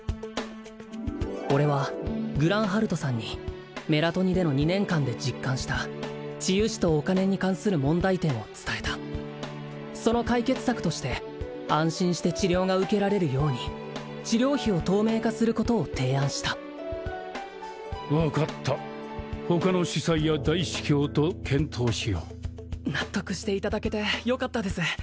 俺はグランハルトさんにメラトニでの２年間で実感した治癒士とお金に関する問題点を伝えたその解決策として安心して治療が受けられるように治療費を透明化することを提案した分かった他の司祭や大司教と検討しよう納得していただけてよかったです